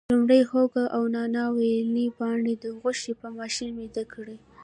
لومړی هوګه او نانا ویلني پاڼې د غوښې په ماشین میده کړي.